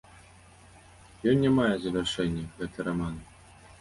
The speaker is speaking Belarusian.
Ён не мае завяршэння, гэты раман.